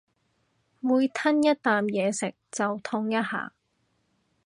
每吞一啖嘢食就痛一下